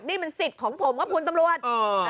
นี่มันสิทธิ์ของผมครับคุณตำรวจ